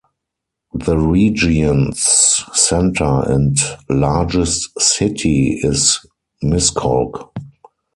The region's centre and largest city is Miskolc.